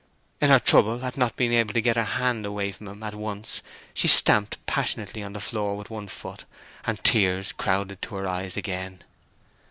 In her trouble at not being able to get her hand away from him at once, she stamped passionately on the floor with one foot, and tears crowded to her eyes again.